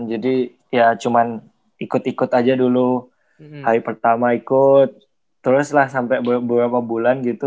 jadi ya cuman ikut ikut aja dulu hari pertama ikut terus lah sampe beberapa bulan gitu